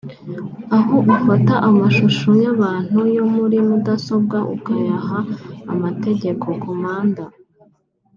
Aho ufata amashusho y’abantu yo muri mudasobwa ukayaha amategeko (commande)